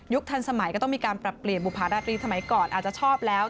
ทันสมัยก็ต้องมีการปรับเปลี่ยนบุภาราตรีสมัยก่อนอาจจะชอบแล้ว